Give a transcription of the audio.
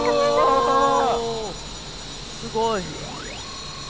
すごい！